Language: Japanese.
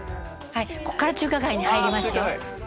ここから中華街に入りますよ。